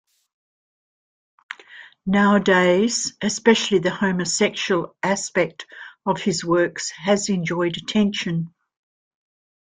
Nowadays, especially the homosexual aspect of his works has enjoyed attention.